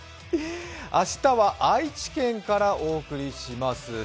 明日は愛知県からお送りします。